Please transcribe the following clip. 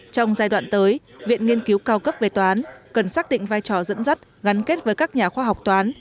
trong giai đoạn tới viện nghiên cứu cao cấp về toán cần xác định vai trò dẫn dắt gắn kết với các nhà khoa học toán